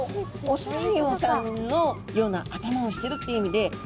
雄ライオンさんのような頭をしてるっていう意味で。